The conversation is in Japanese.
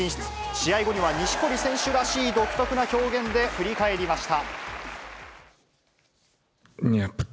試合後には、錦織選手らしい独特な表現で振り返りました。